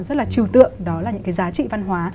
rất là trừ tượng đó là những cái giá trị văn hóa